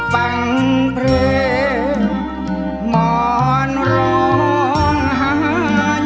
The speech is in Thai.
ฟังเพลงหมอนร้องหา